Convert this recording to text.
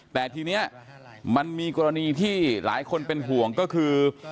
แต่ทีนี้มันมีกรณีที่หลายคนเป็นห่วงก็คือ